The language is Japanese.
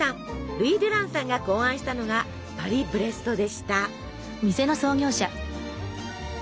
ルイ・デュランさんが考案したのがパリブレストでした。